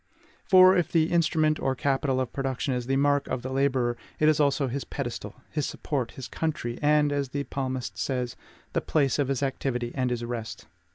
For, if the instrument or capital of production is the mark of the laborer, it is also his pedestal, his support, his country, and, as the Psalmist says, THE PLACE OF HIS ACTIVITY AND HIS REST.